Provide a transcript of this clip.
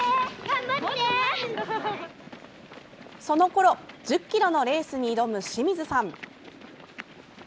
そのころ１０ｋｍのレースに挑む清水さん。